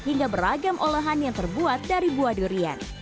hingga beragam olahan yang terbuat dari buah durian